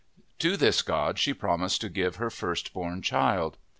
To this god she promised to "^ give her first born child.